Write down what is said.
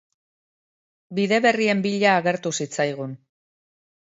Bide berrien bila agertu zitzaigun.